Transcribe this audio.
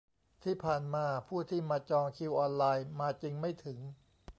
ที่ผ่านมาผู้ที่มาจองคิวออนไลน์มาจริงไม่ถึง